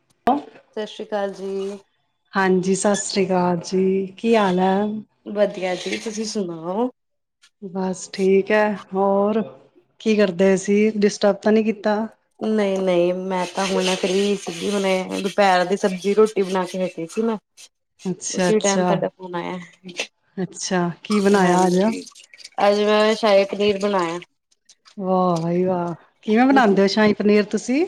[inaudible] ਸਤਿ ਸ੍ਰੀ ਅਕਾਲ ਜੀ। ਹਾਂਜੀ ਸਤਿ ਸ੍ਰੀ ਅਕਾਲ। ਜੀ ਕੀ ਹਾਲ ਹੈ। ਆ ਜੀ ਤੁਸੀਂ ਸੁਣਾਓ। ਬਸ ਠੀਕ ਹੈ। ਹੋਰ ਕੀ ਕਰਦੇ ਸੀ। ਡਿਸਟਰਬ ਤਾਂ ਨਹੀ ਕੀਤਾ। ਨਹੀਂ ਨਹੀਂ ਮੈਂ ਤਾਂ ਹੁਣ ਫ਼ਰੀ ਸੀਗੀ। ਹੁਣੇ ਦੁਪਹਿਰ ਦੀ ਸਬਜ਼ੀ ਰੋਟੀ ਬਣਾ ਕੇ ਹਟੀ ਸੀ ਮੈਂ। ਅੱਛਾ ਉਸੀ ਟਾਈਮ ਅੱਛਾ ਤੁਹਾਡਾ ਫੋਨ ਆਇਆ ਅੱਛਾ। ਕੀ ਬਣਾਇਆ ਅਜ। ਹਾਂਜੀ, [unintelligible] ਬਣਾਇਆ। ਵਾਹ ਬਈ ਵਾਹ ਕਿਵੇਂ ਬਣਾਂਦੇ ਹੋ ਸ਼ਾਹੀ ਪਨੀਰ ਤੁਸੀਂ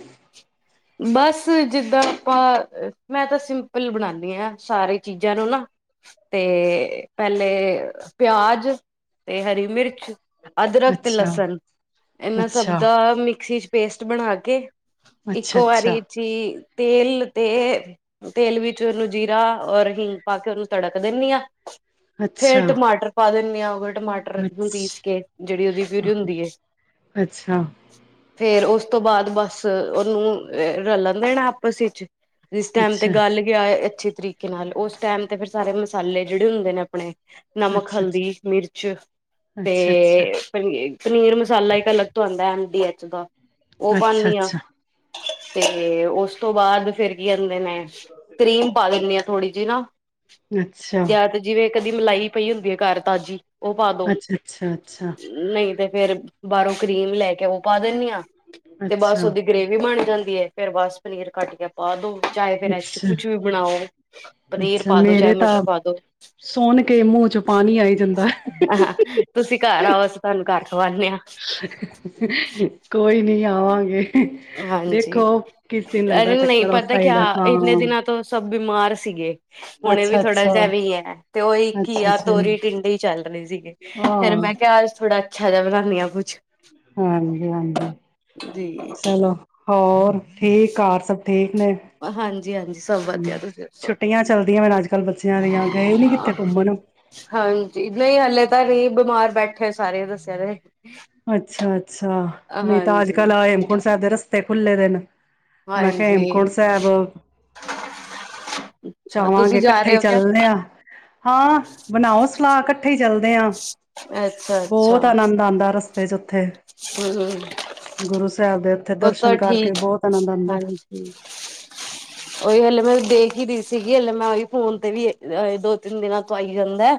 ਬਸ ਜਿੱਦਾਂ ਆਪਾਂ ਮੈਂ ਤਾਂ ਸਿੰਪਲ ਬਣਾਣ ਹਾਂ ਸਾਰੇ ਚੀਜ਼ਾਂ ਨੂੰ ਨਾ, ਤੇ ਪਹਿਲੇ ਪਿਆਜ, ਤੇ ਹਰੀ ਮਿਰਚ ਅਦਰਕ ਤੇ ਅੱਛਾ ਲਸਣ ਇਹਨਾਂ ਅੱਛਾ ਸਭ ਦਾ ਮਿਕਸੀ ਚ ਪੇਸਟ ਬਣਾ ਕੇ ਅੱਛਾ ਇੱਕੋ ਵਾਰੀ ਅੱਛਾ ਈਚ ਤੇਲ ਤੇ ਤੇਲ ਵਿੱਚ ਉਹਨੂੰ ਜੀਰਾ ਔਰ ਹਿੰਗ ਪਾ ਕੇ ਉਹਨੂੰ ਤੜਕ ਦਿੰਦੀ ਹਾਂ। ਫੇਰ ਅੱਛਾ ਟਮਾਟਰ ਪਾ ਦੇਦੇ [unintelligible] ਟਮਾਟਰ ਨੂੰ ਪੀਸ ਅੱਛਾ ਕੇ ਜਿਹੜੀ ਉਹਦੀ ਪਿਊਰੀ ਹੁੰਦੀ ਏ, ਅੱਛਾ ਫੇਰ ਉਸ ਉਸ ਤੋਂ ਬਾਅਦ ਬੱਸ ਉਹਨੂੰ ਰਲਣ ਦੇ ਨਾ ਆਪਸ ਈਚ ਜਿਸ ਟਾਈਮ ਤੇ ਗੱਲ ਗਿਆ ਅੱਛੀ ਤਰੀਕੇ ਨਾਲ, ਉਸ ਟਾਈਮ ਤੇ ਫੇਰ ਸਾਰੇ ਮਸਾਲੇ ਜਿਹੜੇ ਹੁੰਦੇ ਨੇ ਆਪਣੇ ਨਮਕ, ਅੱਛਾ ਅੱਛਾ ਅੱਛਾ ਅੱਛਾ ਹਲਦੀ, ਮਿਰਚ ਅੱਛਾ ਤੇ ਪਨੀਰ ਪਨੀਰ ਮਸਾਲਾ ਇੱਕ ਅਲੱਗ ਤੋਂ ਆਦਾ ਹੈ। ਡੀ ਐਚ ਦਾ ਉਹ ਅੱਛਾ, ਪਾਉਂਦੀ ਆ ਅੱਛਾ। ਤੇ ਉਸ ਤੋਂ ਬਾਅਦ ਫੇਰ ਕੀ ਕਹਿੰਦੇ ਨੇ ਕਰੀਮ ਪਾ ਦਿੰਦੀ ਹਾਂ ਥੋੜ੍ਹੀ ਜੀ ਨਾ। ਅੱਛਾ। ਜਾਂ ਤੇ ਜਿਵੇਂ ਕਦੀ ਮਲਾਈ ਪਈ ਹੁੰਦੀ ਹੈ ਘਰ ਤਾਜ਼ੀ ਉਹ ਪਾ ਦੋ, ਅੱਛਾ ਅੱਛਾ ਅੱਛਾ ਅੱਛਾ ਨਹੀਂ ਤੇ ਫੇਰ ਬਾਹਰੋਂ ਕਰੀਮ ਲੈ ਕੇ ਉਹ ਪਾ ਦਿੰਦੀ ਆਾਂ। ਅੱਛਾ। ਵੀ ਬਣ ਜਾਂਦੀ ਏ ਫੇਰ ਬਸ ਪਨੀਰ ਕੱਟ ਕੇ ਪਾ ਦੋ। ਚਾਹੇ ਫੇਰ ਇਸ ਅੱਛਾ ਕੁਛ ਵੀ ਬਣਾਓ ਪਨੀਰ ਅੱਛਾ ਪਾ ਦੋ ਚਾਹੇ ਮੇਰੇ ਤਾਂ ਮਟਰ ਪਾ ਦੋ। ਸੁਣ ਕੇ ਮੂੰਹ ਚ ਪਾਣੀ ਆਈ ਜਾਂਦਾ ਤੁਸੀਂ ਘਰ ਆਓ ਅਸੀ ਤੁਹਾਨੂੰ ਘਰ ਖਵਾਨੇ ਆ ਕੋਈ ਨੀ। ਆਵਾਂਗੇ। ਹਾਂਜੀ, ਦੇਖੋ ਕਿਸ ਦਿਨ ਲੱਗਦਾ ਅਰੇ ਨਹੀਂ ਚੱਕਰ ਉਸ ਪਤਾ ਸਾਈਡ ਕਿਆ ਹਾਂ ਇੰਨੇ ਦਿਨਾਂ ਤੋਂ ਸਭ ਬਿਮਾਰ ਸੀਗੇ ਹੁਣੇ ਵੀ ਅੱਛਾ ਥੋੜਾ ਅੱਛਾ ਜਿਹਾ ਵੀ ਹੈ ਤੇ ਉਹੀ ਅੱਛਾ ਘੀਆ, ਅੱਛਾ ਤੋਰੀ, ਟਿੰਡੇ ਹੀ ਚੱਲ ਰਹੇ ਸੀਗੇ ਫਿਰ ਹਾਂ ਮੈਂ ਕਿਹਾ ਅੱਜ ਥੋੜ੍ਹਾ ਅੱਛਾ ਜਿਹਾ ਬਣਾਨੀ ਆ ਕੁਛ। ਹਾਂਜੀ, ਹਾਂਜੀ, ਜੀ। ਚੱਲੋ। ਹੋਰ ਠੀਕ ਘਾ਼ਰ ਸਭ ਠੀਕ। ਨੇ ਹਾਂਜੀ, ਹਾਂਜੀ ਸਭ ਵਧੀਆ ਹਮ ਤੁਸੀਂ ਦੱਸੋ। ਛੁੱਟੀਆਂ ਚੱਲਦੀਆਂ ਮੈਨ ਅੱਜ ਕੱਲ੍ਹ ਬੱਚਿਆਂ ਦੀਆਂ ਗਏ ਨੀ ਕਿੱਥੇ ਘੁੰਮਣ ਹਾਂਜੀ ਨਹੀਂ ਹਲੇੇ ਤਾਂ ਏਹ ਬਿਮਾਰ ਬੈਠੇ ਹ ਸਾਰੇ ਦੱਸਿਆ ਤੇ ਵੇ। ਅੱਛਾ ਅੱਛਾ ਨਹੀਂ ਤਾਂ ਅੱਜ ਹਾਂਜੀ। ਕੱਲ੍ਹ ਹੇਮਕੁੰਟ ਸਾਹਿਬ ਦੇ ਰਸਤੇ ਖੁੱਲੇ ਦੇ ਨੇ ਮੈਂ ਕਿਹਾ ਹਾਂਜੀ ਹੇਮਕੁੰਟ ਸਾਹਿਬ ਅੱਛਾ ਜਾਵਾਂਗੇ ਤੁਸੀਂ ਜਾ ਇਕੱਠੇ ਹੀ ਰਹੇ ਹੋ ਕਿਆ? ਚੱਲਦੇ ਆ ਹਾਂ ਬਣਾਓ ਸਲਾਹ ਕਠੇ ਇਕੱਠੇ ਚੱਲਦੇ ਹਾਂ ਅੱਛਾ ਅੱਛਾ ਬਹੁਤ ਆਨੰਦ ਆਉਂਦਾ ਰਸ [unintelligible] ਉੱਥੇ ਹਮ ਗੁਰੂ ਸਾਹਿਬ ਦੇ ਉਹ ਤਾਂ ਦਰਸ਼ਨ ਕਰਕੇ ਠੀਕ ਬਹੁਤ ਆਨੰਦ ਆਉਂਦਾ ਹਾਂਜੀ ਓਹੀ ਹਲੇ ਮੈਂ ਦੇਖ ਰ ਸੀਗੀ ਲੇ ਮੈਂ ਉਹੀ ਫੋਨ ਤੇ ਵੀ ਦੋ ਤਿੰਨ ਦਿਨਾਂ ਤੋਂ ਆਈ ਜਾਂਦਾ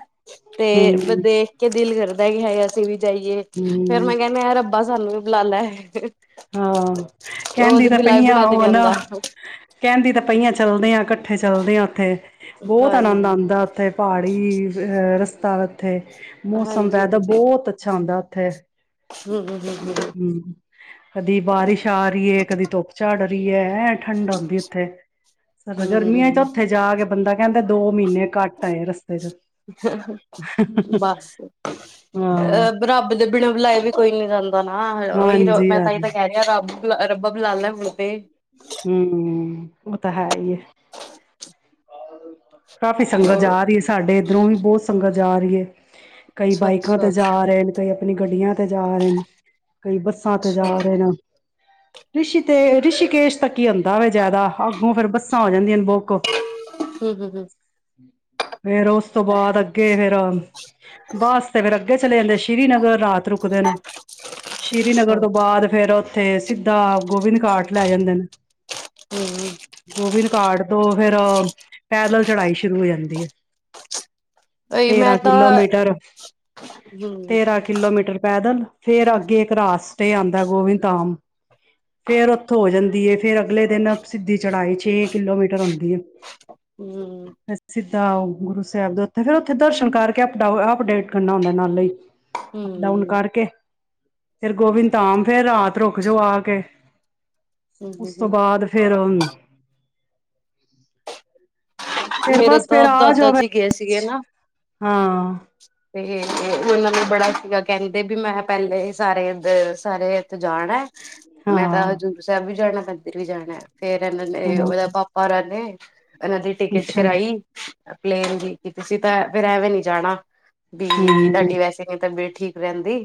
ਤੇ ਹਮ ਦੇਖ ਕੇ ਦਿਲ ਗਰ ਨਹੀਂ ਆਏ ਅਸੀ ਵੀ ਜਾਈਏ ਫੇਰ ਹਮ ਮੈਂ ਕਹਿੰਦੇ ਰੱਬਾ ਸਾਨੂੰ ਲਾ ਲੈ ਹਾਂ ਉਹ ਕਹਿੰਦੀ ਤੇ ਤਾਂ ਬੁਲਾਏ ਪਈਆਂ ਬਣਾ ਤੇ ਉਹ ਨੀ ਨਾ ਆਂਦਾ। ਕਹਿੰਦੀ ਤਾਂ ਪਈਆਂ ਚੱਲਦੇ ਆ ਇਕੱਠੇ ਚੱਲਦੇ ਆ ਉੱਥੇ ਬਹੁਤ ਆਨੰਦ ਹਾਂਜੀ, ਆਉਂਦਾ ਉੱਥੇ ਪਹਾੜੀ ਅ ਰਸਤਾ ਓਥੇ ਮੌਸਮ ਵੈਦਾ ਹਾਂਜੀ-ਹਾਂਜੀ, ਬਹੁਤ ਅੱਛਾ ਆਉਂਦਾ ਉੱਥੇ ਹਮ ਹਮ ਹਮ ਕਦੀ ਬਾਰਿਸ਼ ਆ ਰਹੀ ਹੈ ਕਦੀ ਧੁੱਪ ਚਝਾੜਹੀ ਦੀ ਹੈ ਭ ਠੰਡ ਆਉਂਦੀ ਉੱਥੇ ਸਰ ਗਰਮੀਆਂ ਚ ਉੱਥੇ ਜਾ ਕੇ ਬੰਦਾ ਕਹਿੰਦਾ ਦੋ ਮਹੀਨੇ ਘੱਟ ਆਏ ਰਸਤੇ ਚ ਬਸ ਹਾਂ, ਅਹ ਰੱਬ ਦੇ ਬਿਨਾਂ ਬੁਲਾਏ ਵੀ ਕੋਈ ਨੀ ਜਾਂਦਾ ਨਾ ਉਹੀ ਹਾਂਜੀ ਮੈਂ ਤਾਂਹੀ ਹਾਂਜੀ ਤਾਂ ਕਹਿ ਰਿਹਾ ਰੱਬ ਰੱਬ ਬੁਲਾ ਲੈ ਮੁੜ ਤੇ ਹਮ ਉਹ ਤਾਂ ਹੈ ਹੀ ਹੈ ਹ ਕਾਫ਼ੀ ਸੰਗਤ ਹੋਰ ਆ ਰਹੀ ਹੈ ਸਾਡੇ ਇੱਧਰੋਂ ਵੀ ਬਹੁਤ ਸੰਗਤ ਜਾ ਰਹੀ ਕਈ ਬਾਈਕਾਂ ਅੱਛਾ-ਅੱਛਾ, ਤੇ ਅੱਛਾ ਜਾ ਰਹੇ ਨੇ ਕਈ ਆਪਣੀ ਗੱਡੀਆਂ ਤੇ ਜਾ ਰਹੇ ਨੇ ਕਈ ਬੱਸਾਂ ਤੇ ਜਾ ਰਹੇ ਨੇ ਰਿਸ਼ੀ ਤੇ ਰਿਸ਼ਕੇਸ਼ ਆਉਂਦਾ ਵ ਜ਼ਿਆਦਾ, ਅੱਗੋਂ ਫੇਰ ਬੱਸ ਆ ਜਾਂਦੀਆਂ ਨੇ ਓਕੋ ਹੂੰ-ਹੂੰ-ਹੂੰ, ਫੇਰ ਉਸ ਤੋਂ ਬਾਅਦ ਅੱਗੇ ਫੇਰ, ਬੱਸ ਤੇ ਫੇਰ ਅੱਗੇ ਚਲੇ ਜਾਂਦੇ ਸ਼੍ਰੀਨਗਰ ਰਾਤ ਰੁਕਦੇ ਨੇ, ਸ਼੍ਰੀਨਗਰ ਹੂੰ-ਹੂੰ। ਤੋਂ ਬਾਅਦ ਫੇਰ ਉੱਥੇ ਸਿੱਧਾ ਗੋਬਿੰਦ ਘਾਟ ਲੈ ਜਾਂਦੇ ਨੇ ਗੋਬਿੰਦ ਘਾਟ ਤੋਂ ਫੇਰ ਪੈਦਲ ਚੜਾਈ ਸ਼ੁਰੂ ਹੋ ਜਾਂਦੀ ਹੈ। ਉਹੀ ਮੈਂ ਤੇਰਾਂ ਤਾਂ ਕਿਲੋਮੀਟਰ, ਹੂੰ ਤੇਰਾਂ ਕਿਲੋਮੀਟਰ ਪੈਦਲ ਫੇਰ ਅੱਗੇ ਇੱਕ ਰਾਸਤਾ ਆਂਦਾ ਗੋਬਿੰਦ ਧਾਮ, ਫੇਰ ਉੱਥੋਂ ਹੋ ਜਾਂਦੀ ਹੈ ਫੇਰ ਅਗਲੇ ਦਿਨ ਸਿੱਧੀ ਚੜਾਈ ਛੇ ਕਿਲੋਮੀਟਰ ਆਉਂਦੀ ਏ ਹੂੰ, ਸਿੱਧਾ ਉਹ ਗੁਰੂ ਸਾਹਿਬ ਦੇ ਉਥੇ, ਫਿਰ ਉੱਥੇ ਦਰਸ਼ਨ ਕਰਕੇ ਅਪਡੇਟ ਕਰਨਾ ਹੁੰਦਾ ਨਾਲੇ ਅਪ ਡਾਊਨ ਹੂੰ, ਕਰਕੇ ਫਿਰ ਗੋਬਿੰਦ ਧਾਮ, ਫੇਰ ਰਾਤ ਰੁਕ ਜੋ ਆ ਕੇ ਉਸ ਤੋਂ ਹੂੰ, ਬਾਅਦ ਫੇਿਰ [unintelligible] ਫਿਰ ਮੇਰੇ ਬਸ ਫੇਿਰ ਤਾਂ ਆ ਦਾਦਾ ਜਾਓਗੇ ਜੀ ਗਏ ਸੀਗੇ ਨਾ ਹਾਂ ਤੇ ਉਹਨਾਂ ਨੂੰ ਬੜਾ ਸੀਗਾ ਕਹਿੰਦੇ ਵੀ ਮੈਂ ਪਹਿਲੇ ਸਾਰੇ ਸਾਰੇ ਇੱਥ ਜਾਣ ਮੈਂ ਤਾਂ ਹਾਂ ਹਜ਼ੂਰ ਸਾਹਿਬ ਵੀ ਜਾਣਾ ਮੰਦਰ ਵੀ ਜਾਣਾ ਫੇਰ ਇਹਨਾਂ ਨੇ ਉਹਦਾ ਹਾਂ ਪਾਪਾ ਰ ਨੇ ਹਨ ਟਿਕਟ ਅੱਛਾ ਕਰਾਈ ਪਲੇਨ ਦੀ ਕੀਤੀ ਸੀ ਤਾਂ ਫੇਿਰ ਐਵੇਂ ਨੀ ਜਾਣਾ ਬ ਹਮ ਤੁਹਾਡੀ ਵੈਸੇ ਤਾਂ ਬੇ ਠੀਕ ਰਹਿੰਦੀ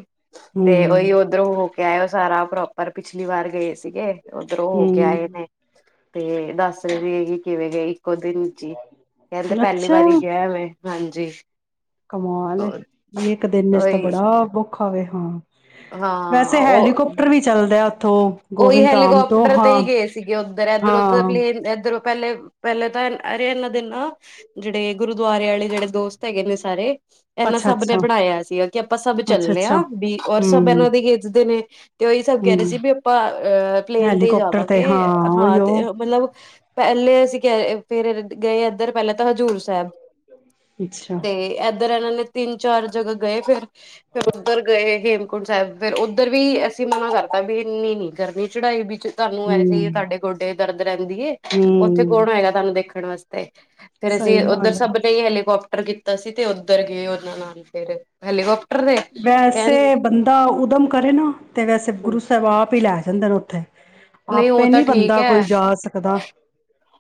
ਤੇ ਹਮ ਉਹੀ ਉਓਧਰੋਂ ਕ ਉਹ ਸਾਰਾ ਪ੍ਰੋਪਰ ਪਿਛਲੀ ਵਾਰ ਗਏ ਸੀਗੇ ਉਓਧਰੋਂ ਹੋ ਕੇ ਆਏ ਹਮ ਨੇ ਤੇ ਦੱਸ ਰਹੇ ਵੀ ਹੈ ਕਿ ਕਿਵੇਂ ਗਏ ਇੱਕੋ ਦਿਨ ਕਹਿੰਦੇ ਪਹਿਲੀ ਅੱਛਾ ਵਾਰੀ ਗਿਆ ਮੈਂ ਹਾਂਜੀ ਜੀ ਕਮਾਲ ਇਹ ਇੱਕ ਦਿਨ ਇਸ ਤਾਂ ਉਹੀ ਬੜਾ ਬੁੱਖ ਹਾਂ ਹਾਂ ਵੈਸੇ ਉਹ ਹੈਲੀਕੋਪਟਰ ਵੀ ਚੱਲਦਾ ਆ ਉਹੀ ਹੈਲੀਕਾਪਟਰ ਤੇ ਹੀ ਗਏ ਸੀਗੇ ਉੱਧਰ ਇਧਰੋਂ ਤਾਂ ਹਾਂ ਪਲੇਨ ਇਧਰੋਂ ਪਹਿਲੇ ਪਹਿਲੇ ਤਾਂ ਅਰੇ ਇਹਨਾਂ ਦੇ ਨਾ ਜਿਹੜੇ ਗੁਰੂਦੁਆਰੇ ਵਾਲੇ ਜਿਹੜੇ ਦੋਸਤ ਹੈਗੇ ਨੇ ਸਾਰੇ ਇਹਨਾਂ ਸਭ ਨੇ ਅੱਛਾ-ਅੱਛਾ, ਬਣਾਇਆ ਸੀਗਾ ਕਿ ਆਪਾਂ ਸਭ ਚੱਲੇ ਅੱਛਾ-ਅੱਛਾ, ਹਾਂ ਵੀ ਰ ਸਭ ਹੂੰ। ਇਹਨਾਂ ਦੀ ਖਿੱਚਦੇ ਨੇ ਤੇ ਉਹੀ ਸਭ ਕਹਿ ਰਹੇ ਹੂੰ, ਸੀ ਵੀ ਅ ਪਲੇਨ ਤੇ ਹੈਲੀਕੋਪਟਰ ਜਾਵਾਂਗੇ ਹਾਂ ਹਾਂ ਉਹੀਓ ਤੇ ਮਤਲਬ ਪਹਿਲੇ ਅਸੀਂ ਕਿਹਾ ਫਿਰ ਗਏ ਇੱਧਰ ਪਹਿਲਾਂ ਤਾਂ ਹਜ਼ੂਰ ਸਾਹਿਬ ਅੱਛਾ, ਤੇ ਉਧਰ ਇਹਨਾਂ ਨੇ ਤਿੰਨ ਚਾਰ ਜਗ੍ਹਾ ਗਏ ਫਿਰ ਫਰ ਉੱਧਰ ਗਏ ਹੇਮਕੁੰਟ ਸਾਹਿਬ ਫਿਰ ਉੱਧਰ ਵੀ ਅਸੀਂ ਮਨਾ ਕਰਤਾ ਵੀ ਨਹੀਂ ਨਹੀਂ ਗਰਮੀ ਚੜਾਈ ਤੁਾਨੂੰ ਐਸੇ ਹੀ ਹੂੰ। ਸਾਡੇ ਗੋਡੇ ਰਹਿੰਦੀਏ ਉੱਥੇ ਹੂੰ, ਕੌਣ ਆਏਗਾ ਤੁਹਾਨੂੰ ਦੇਖੋ ਖ ਵਸਤੇ ਹੈ ਫੇਰ ਅਸੀਂ ਸਹੀ ਉੱਧਰ ਗੱਲ ਐ। ਸਭ ਨੇ ਹੈਲੀਕਾੋਪਟਰ ਕੀਤਾ ਸੀ ਤੇ ਉੱਧਰ ਗਏ ਉਹਨਾਂ ਨਾਲ ਫਿਰ ਹੈਲੀ ਵਪ ਵੈਸੇ ਬੰਦਾ ਉਦਮ ਕਰੇ ਨਾ ਤੇ ਵੈਸੇ ਗੁਰੂ ਸਾਹਿਬ ਆਪ ਵੀ ਲੈ ਜਾਂਦੇ ਨੇ ਉੱਥੇ ਨਹੀਂ ਉਹ ਆਪੇ ਤਾਂ ਨੀ ਠੀਕ ਬੰਦਾ ਹੈ। ਕੋਈ ਜਾ ਸਕਦਾ,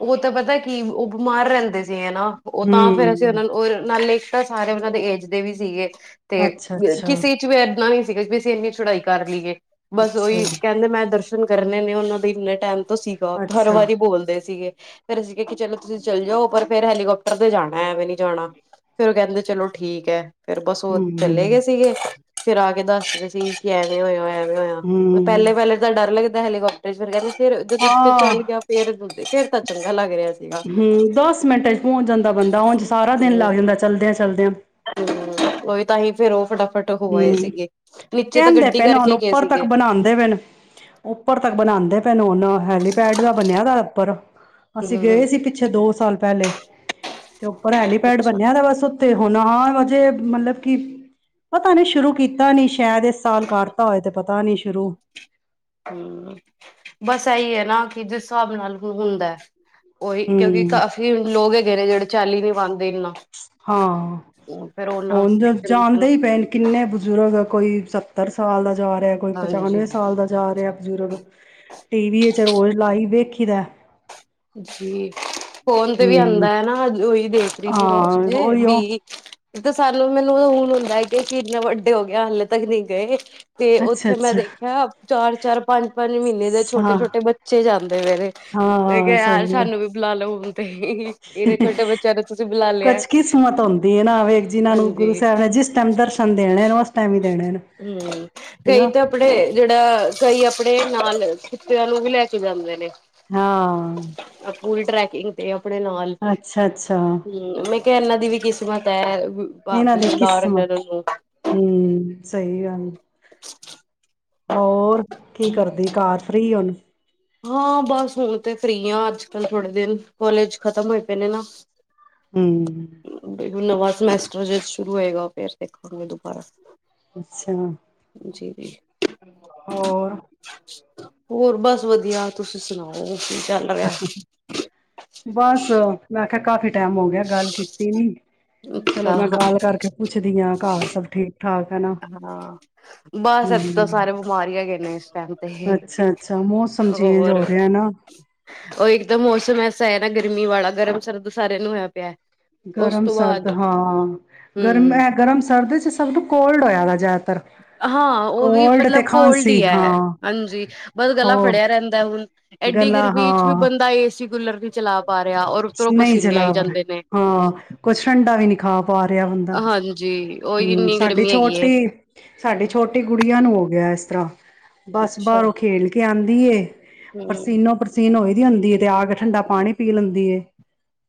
ਉਹ ਤਾਂ ਪਤਾ ਕੀ ਉਹ ਬਿਮਾਰ ਰਹਿੰਦੇ ਨਾ ਉਹ ਤਾਂ ਫੇਰ ਅਸੀਂ ਹੂੰ। ਉਹਨਾਂ ਨੂੰ ਨਾਲੇ ਇੱਕ ਤਾਂ ਸਾਰੇ, ਉਹਨਾਂ ਦੇ ਏਜ ਦੇ ਵੀ ਸੀਗੇ ਤੇ ਅੱਛਾ-ਅੱਛਾ, ਕਿਸੇ ਚ ਵੀ ਇਦਾਂ ਨੀ ਵੀ ਅਸੀਂ ਇੰਨੀ ਚੁੜਾਈ ਕਰ ਲਈਏ ਬਸ ਅੱਛਾ, ਉਹੀ ਕਹਿੰਦੇ ਮੈਂ ਦਰਸ਼ਨ ਕਰ ਨਹੀਂ -ਨਹੀਂ, ਉਹਨਾਂ ਦੇ ਇੰਨੇ ਟਾਈਮ ਤੋਂ ਸੀਗਾ, ਹਰ ਅੱਛਾ, ਵਾਰੀ ਬੋਲਦੇ ਸੀਗੇ ਫਿਰ ਅਸੀਂ ਕਿਹਾ ਕਿ ਚਲੋ ਤੁਸੀਂ ਚਲਜੋ, ਉਪਰ ਫਿਰ ਹੈਲੀਕੋਪਟਰ ਤੇ ਜਾਣਾ ਐਵੇਂ ਨਹੀਂ ਜਾਣਾ। ਫਿਰ ਉਹ ਕਹਿੰਦੇ ਚਲੋ ਠੀਕ ਫੇਰ ਬਸ ਉਹ, ਚਲੇ ਗਏ ਹੂੰ। ਸੀਗੇ ਫਿਰ ਆ ਕੇ ਦੱਸਦੇ ਸੀ ਕੇ, ਐਵੇ ਹੋਇਆ ਐ ਐਵੇ ਹੋਇਆ, ਪਹਿਲੇ ਹੂੰ, ਵਾਲੇ ਦਾ ਡਰ ਲੱਗਦਾ ਹੈਲਿਕਪਟਰ ਚ ਫਿਰ ਬਹਿ ਗਈ ਫਿਰ, ਜਦੋ ਉਤੇ ਹਾਂ। ਚੱਲ ਗਿਆ ਫਿਰ ਫਿਰ ਤਾ ਚੰਗਾ ਲਗ ਰੇਆ ਹੂੰ, ਦਸ ਮਿੰਟਾਂ ਚ ਪਹੁੰਚ ਜਾਂਦਾ ਬੰਦਾ। ਉਂਜ ਸਾਰਾ ਦਿਨ ਲੱਗ ਜਾਂਦਾ ਚਲਦਿਆਂ ਚਲਦਿਆਂ [inaudible] ਉਹ ਵੀ ਤਾਂਹੀ ਫੇਰ ਉਹ ਫਟਾ ਹਮ ਕਹਿੰਦੇ ਪੈਣ ਉਹਨ ਕਰਕੇ ਗਏ ਉੱਪਰ ਤੱਕ ਸੀਗੇ। ਬਣਾਉਂਦੇ ਪੈਣ ਉੱਪਰ ਤੱਕ ਬਣਾਉਂਦੇ ਪੈਣ ਹਨ ਹੈਲੀਪੈਡ ਦਾ ਬਣਿਆ ਦਾ ਅਪਰ [inaudible] ਅਸੀਂ ਹੂੰ। ਗਏ ਸੀ ਪਿੱਛੇ ਦੋ ਸਾਲ ਪਹਿਲੇ ਤੇ ਉੱਪਰ ਹੈਲੀਪੈਡ ਅੱਛਾ ਬਣਿਆ ਦਾ ਬਸ ਉੱਥੇ ਹੁਣ ਹਾਂ ਅਜੇ ਮਤਲਬ ਕਿ ਪਤਾ ਨੀ ਸ਼ੁਰੂ ਕੀਤਾ ਨੀ ਸ਼ਾਇਦ, ਇਸ ਸਾਲ ਕਰਤਾ ਹੋਏ ਤੇ ਪਤਾ ਨੀ ਸ਼ੁਰੂ ਹੂੰ, ਬਸ ਇਹੀ ਹੈ ਨਾ ਕਿ ਜਿਸ ਹਿਸਾਬ ਨਾਲ ਹੁੰਦਾ ਉਹੀ ਕਿਉਂਕਿ ਹੂੰ ਕਾਫ਼ੀ ਲੋਕ ਮੇਰੇ ਜਿਹੜੇ ਚਾਲੀ ਨੇ ਵੰਦੇ ਹਾਂ ਫੇਰ ਉਹਨਾਂ ਹੁਣ ਵਾਸਤੇ ਜਾਣਦੇ ਹੀ ਪਏ, ਕਿੰਨੇ ਬਜ਼ੁਰਗ ਕੋਈ ਸੱਤਰ ਸਾਲ ਦਾ ਜਾ ਰਹਾ ਕੋਈ ਪਚਾਨਵੇਂ ਹਾਂਜੀ। ਸਾਲ ਦਾ ਜਾ ਰਿਹਾ ਬਜ਼ੁਰਗ, ਟੀ ਵੀ ਵਿੱਚ ਰੋਜ਼ ਲਾਈ ਵੇਖੀ ਦਾ ਜੀ ਫੋਨ ਤੇ ਵੀ ਆਉਂਦਾ ਹੂੰ ਹੈ ਨਾ ਉਹੀ ਦੇਖ ਰਹੀ ਫਿਰ ਹਾਂ ਉੇ ਉਹੀਓ ਵੀ ਤਾਂ ਸਾਨੂੰ ਮੈਨੂੰ ਹੁਣ ਹੁੰਦਾ ਕਿਸੀ ਇੰੇ ਵੱਡੇ ਹੋ ਗਏ ਹਾਲੇ ਤੱਕ ਨਹੀਂੀ ਗਏ ਤੇ ਉੱਥੇ ਮੈਂ ਅੱਛਾ-ਅੱਛਾ ਦੇਖਿਆ ਚਾਰ ਚਾਰ ਪੰਜ ਪੰਜ ਮਹੀਨੇ ਦੇ ਛੋਟੇ ਹਾਂ, ਛੋਟੇ ਬੱਚੇ ਜਾਂਦੇ ਮੇਰੇ ਇਹ ਕਿਹਾ ਯਾਰ ਸਾਨੂੰ ਵੀ ਬੁਲਾ ਲੋ ਬੁਲਾ ਲਿਆ ਕਛ ਕਿਸਮਤ ਆਉਂਦੀ ਹੈ ਨਾਵੇਗ ਜਿਨਾਂ ਨੂੰ ਗੁਰੂ ਹਾਂਜੀ ਸਾਹਿਬ ਨੇ ਜਿਸ ਟਾਈਮ ਦਰਸ਼ਨ ਦੇਣੇ ਨੇ ਉਸ ਟਾਈਮ ਹੀ ਦੇਣੇ ਨੇ। ਹਮ ਕਈ ਹਨਾ ਤਾਂ ਆਪਣੇ ਜਿਹੜਾ ਕਈ ਆਪ ਆਪੜੇ ਨਾਲ ਖਿੱਤਿਆਂ ਨੂੰ ਵੀ ਲੈ ਕੇ ਜਾਂਦੇ ਨੇ ਹਾਂ ਪੂਰੀ ਟਰੈਕਿੰਗ ਤੇ ਕੱਪੜੇ ਨਾਲ ਅੱਛਾ-ਅੱਛਾ ਹਮ ਮੈਂ ਇਹਨਾਂ ਦੀ ਵੀ ਕਿਸਮਤ ਹੈ ਲਾਰਨੂੰ ਹਮ ਸਹੀ ਗੱਲ ਹੋਰ ਕੀ ਕਰਦੀ ਕਾਰ ਫ੍ਰਰੀ ਉਹਨੂੰ ਹਾਂ ਬਸ ਹੁਣ ਤੇ ਫਰੀ ਆ ਅੱਜ ਕੱਲ੍ਹ ਥੋੜੇ ਦਿਨ ਕੋਲੇਜ ਖਤਮ ਹੋਏ ਪਏ ਨੇ ਨਾ ਹੂੰ ਹੁਣ ਨਵਾਂ ਸਮੈਸਟਰ ਜ ਸ਼ੁਰੂ ਹੋਏਗਾ ਫੇਰ ਦੇਖਾਂਗੇ ਦੁਬਾਰਾ। ਅੱਛਾ ਜੀ ਜੀ ਹੋਰ ਹੋਰ ਬਸ ਵਧੀਆ ਤੁਸੀਂ ਸੁਣਾਓ। ਕੀ ਚੱਲ ਰਿਹਾ ਬਸ ਮੈਂ ਕਾਫੀ ਟੈਮ ਹੋ ਗਿਆ ਗੱਲ ਕੀਤੀ ਨੀ ਚਲੋ ਅੱਛਾ ਮੈਂ ਗੱਲ ਕਰਕੇ ਪੁੱਛਦੀ ਆਾਂ ਘਰ ਸਭ ਠੀਕ। ਹਾਂ ਬਸ ਇਥੇ ਤਾਂ ਹੂੰ ਸਾਰੇ ਬਿਮਾਰ ਹੀ ਹੈ ਗਏ ਨੇ ਇਸ ਟਾਈਮ ਤੇ ਅੱਛਾ ਅੱਛਾ ਮੌਸਮ ਚੇਂਜ ਹੋਰ। ਹੋ ਰਿਹਾ ਨਾ ਉਹ ਇੱਕ ਤਾਂ ਮੌਸਮ ਐਸਾ ਹੈ ਨਾ ਗਰਮੀ ਵਾਲਾ ਗਰਮ ਸਰਦ ਸਾਰਿਆਂ ਨੂੰ ਹੋਇਆ ਪਿਆ। ਉਸ ਗਰਮ ਤੋਂ ਸਰਦ ਬਾਅਦ ਹਾਂ ਗਰਮ ਹਮ ਗਰਮ ਸਰਦ ਚ ਸਭ ਨੂੰ ਕੋਲਡ ਹੋਇਆ ਵਾ ਜ਼ਿਆਦਾ। ਹਾਂ ਉਹ ਵੀ ਮਤਲਬ ਕੋਲਡ ਖਾਂਸੀ ਹੀ ਹੈ ਹਾਂ ਹਾਂਜੀ ਬਸ ਹੋ ਗਲਾ ਫੜਿਆ ਰਹਿੰਦਾ ਹੁਣ। ਐਡੀ ਗਲਾ ਗਰਮੀ ਚ ਵੀ ਹਾਂ ਬੰਦਾ ਏਸੀ ਕੂਲਰ ਨਹੀਂ ਚਲਾ ਪਾ ਰਿਹਾ ਔਰ ਉੱਪਰੋਂ ਨਹੀਂ ਪਸੀਨੇ ਚਲਾ ਆਈ ਪਾ ਰਿਹਾ ਜਾਂਦੇ ਨੇ ਹਾਂ ਕੁਛ ਠੰਡਾ ਵੀ ਨਹੀਂ ਖਾ ਪਾ ਰਿਹਾ ਬੰਦਾ। ਹਾਂਜੀ ਉਹੀ ਹੂੰ ਇੰਨੀ ਸਾਡੀ ਗਰਮੀ ਹੈਗੀ ਏ। ਛੋਟੀ ਸਾਡੇ ਛੋਟੀ ਗੁੜੀਆਂ ਨੂੰ ਹੋ ਗਿਆ ਇਸ ਤਰ੍ਹਾਂ। ਬਸ ਅੱਛਾ, ਬਾਹਰੋਂ ਖੇਲ ਕੇ ਆਦੀ। ਏ ਹੂੰ, ਪਸੀਨੋ ਪਸੀਨ ਹੋਈ ਹੁੰਦੀ ਹੈ ਤੇ ਆ ਕੇ ਠੰਡਾ ਪਾਣੀ ਪੀ ਲੈਂਦੀ ਏ।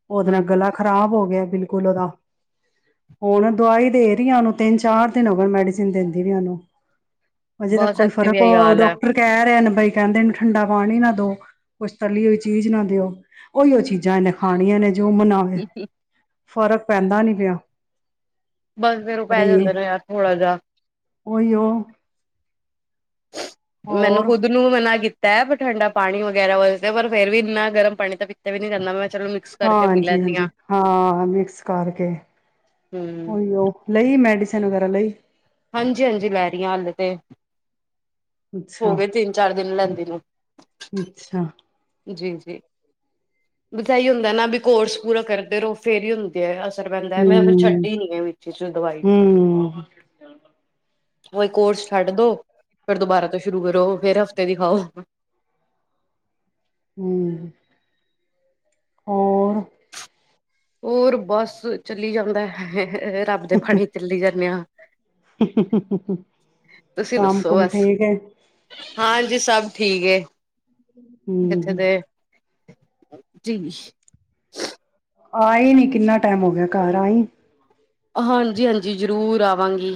ਉਹਦੇ ਨਾਲ ਹੂੰ-ਹੂੰ, ਗਲਾ ਖ਼ਰਾਬ ਹੋ ਗਿਆ। ਬਿਲਕੁਲ ਉਹਦਾ ਹੁਣ ਦਵਾਈ ਦੇ ਰਹੀ ਉਹਨੂੰ ਤਿੰਨ ਚਾਰ ਦਿਨ ਹੋ ਗ ਮੈਡੀਸਿਨ ਦਿੰਦੀ ਵੀ ਉਹਨੂੰ। ਹਜੇ ਤੱਕ ਬਸ ਕੋਈ ਇੱਥੇ ਵੀ ਫਰਕ ਇਹੀ ਹੋ ਹਾਲ ਹੈ। ਡਾਕਟਰ ਕਹਿ ਰਿਹਾ। ਕਈ ਕਹਿੰਦੇ ਨੇ ਠੰਡਾ ਪਾਣੀ ਨਾ ਦੋ ਕੁਛ ਤਲੀ ਹੋਈ ਚੀਜ਼ ਨਾ ਦਿਓ ਉਹੀ ਉਹ ਚੀਜ਼ਾਂ ਇਹਨੇ ਖਾਣੀਆਂ ਨੇ। ਜੋ ਮਨਾਵੇ ਫਰਕ ਪੈਂਦਾ ਨਹੀਂ ਪਿਆ। ਬਸ ਫਿਰ ਉਹ ਪੈ ਅਰੇ ਜਾਂਦੇ ਨੇ ਯਾਰ ਥੋੜਾ ਜਿਹਾ। ਉਹੀਓ ਮੈਨੂੰ ਹੋਰ ਖੁਦ ਨੂੰ ਮਨਾ ਕੀਤਾ ਠੰਡਾ ਪਾਣੀ ਵਗੈਰਾ ਵ ਪਰ ਫੇਰ ਵੀ ਇੰਨਾ ਗਰਮ ਪਾਣੀ ਤਾਂ ਪਿੱਛੇ ਵੀ ਨੀ ਜਾਂਦਾ ਮੈਂ। ਚਲੋ ਮਿਕਸ ਹਾਂ ਕਰਕੇ ਪੀ ਹਾਂਜੀ ਲੈਂਦੀ ਹਾਂਜੀ ਆ। ਹਾਂ ਮਿਕਸ ਕਰਕੇ ਹੂੰ, ਉਹੀ ਉਹ ਲਈ ਮੈਡੀਸਨ। ਵਗੈਰਾ ਲਈ ਹਾਂਜੀ ਹਾਂਜੀ ਲੈ ਰਹੀ ਹਾਂ ਹਾਲ ਤੇ ਹੋ ਅੱਛਾ ਗਏ ਤਿੰਨ ਚਾਰ ਦਿਨ ਲੈਂਦੀ ਨੂੰ। ਅੱਛਾ ਜੀ ਜੀ ਬਧਾਾਈ ਹੁੰਦਾ ਨਾ ਵੀ ਕੋਰਸ ਪੂਰਾ ਕਰਦੇ ਰਹੋ ਫੇਰ ਹੀ ਹੁੰਦੇ ਆ ਪੈਂਦਾ ਹੈ ਮੈਂ ਫਿਰ ਹੂੰ ਛੱਡੀ ਨੀ ਹੈ ਵਿੱਚ ਚ ਦਵਾਈ ਹੂੰ ਕੋਈ ਕੋਰਸ ਛੱਡ ਦੋ ਫਿਰ ਤੋਂ ਬਾਰਾਂ ਤੋਂ ਸ਼ੁਰੂ ਕਰੋ ਫੇਰ ਹਫ਼ਤੇ ਦੀ ਖਾਓ ਹਮ ਹੋਰ ਹੋਰ ਬਸ ਚਲੀ ਜਾਂਦਾ ਹੈ ਰੱਬ ਦੇ ਫਣੀ ਚੱਲਲੀ ਜਾਂਦੇ ਹਾਂ ਤੁਸੀਂ ਕੰਮ ਦੱਸੋ ਕੁਮ ਬਸ ਠੀਕ ਹੈ ਹਾਂਜੀ ਸਭ ਠੀਕ ਹਮ ਹ ਜਨ ਆਈ ਨੀ ਕਿੰਨਾ ਟਾਈਮ ਹੋ ਗਿਆ ਘਰ ਆਈ ਹਾਂਜੀ ਹਾਂਜੀ ਜ਼ਰੂਰ ਆਵਾਂਗੀ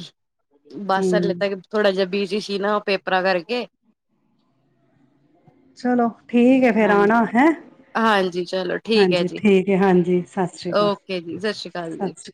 ਬਾਸਰ ਹੂੰ। ਲਤਾ ਕਿ ਥੋੜਾ ਜਹਾ ਬੀ ਜ ਨਾ ਪੇਪਰਾਂ ਕਰਕੇ ਚਲੋ ਠੀਕ ਹੈ ਫੇਰ ਆਣਾ ਹਾਂਜੀ। ਹੈਂ। ਹਾਂਜੀ ਚਲੋ ਠੀਕ ਹੈ ਹਾਂਜੀ ਜੀ ਠੀਕ ਹੈ। ਹਾਂਜੀ। ਸਤਿ ਸ੍ਰੀ ਅਕਾਲ ਓਕੇ ਜੀ ਸ਼੍ਰੀ ਜੀ। ਸਤਿ ਸ੍ਰੀ ਅਕਾਲ।